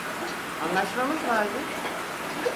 Anlaşmamız vardı.